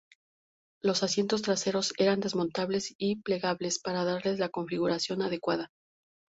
Los asientos traseros eran desmontables y plegables para darles la configuración adecuada.